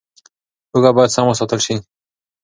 هوږه باید سم وساتل شي.